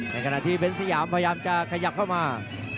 ขณะที่เบ้นสยามพยายามจะขยับเข้ามา